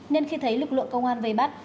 nên khi thấy lực lượng công an vây bắt